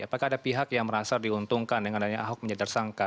apakah ada pihak yang merasa diuntungkan dengan adanya ahok menjadi tersangka